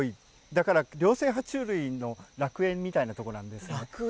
だから両生類、は虫類の楽園みたいなところです。